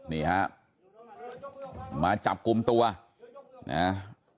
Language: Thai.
นี่ฮะมาจับกลุ่มตัวนะฮะ